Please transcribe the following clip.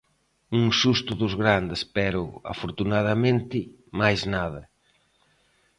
Un susto dos grandes pero, afortunadamente, máis nada.